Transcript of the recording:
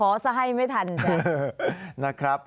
ขอนิดหน่อยจ๊ะ